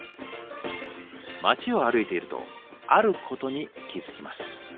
街を歩いているとあることに気付きます。